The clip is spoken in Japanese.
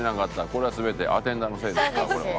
これは全てアテンダーのせいですからこれは。